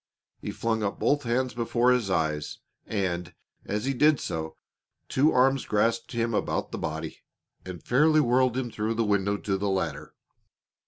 He flung up both hands before his eyes, and, as he did so, two arms grasped him about the body and fairly whirled him through the window to the ladder.